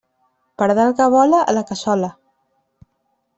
Pardal que vola, a la cassola.